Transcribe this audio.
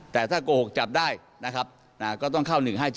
แต่ถ้าโกหกจับได้ก็ต้องเข้า๑๕๗